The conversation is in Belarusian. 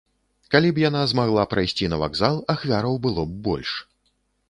Калі б яна змагла прайсці на вакзал, ахвяраў было б больш.